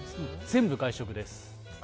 全部外食です。